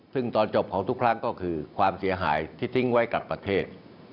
ซึ่งตอนจบของทุกครั้งก็คือความเสียหายที่ทิ้งไว้กับประเทศ